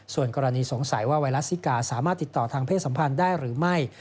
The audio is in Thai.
ส่วนกรณีสงสัยว่าไวรัสซิกาสามารถติดต่อทางเพศสัมพันธ์ได้หรือไม่